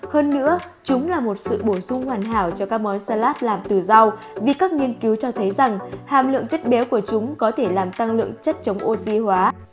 hơn nữa chúng là một sự bổ sung hoàn hảo cho các món salat làm từ rau vì các nghiên cứu cho thấy rằng hàm lượng chất béo của chúng có thể làm tăng lượng chất chống oxy hóa